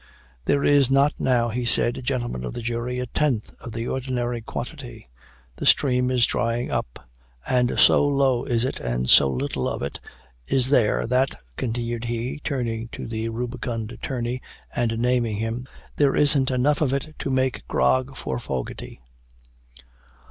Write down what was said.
"There is not now," he said, "gentlemen of the jury, a tenth of the ordinary quantity. The stream is running dry and so low is it, and so little of it is there, that," continued he, turning to the rubicund attorney, and naming him, "there isn't enough in it to make grog for Fogatty."